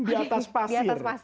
di atas pasir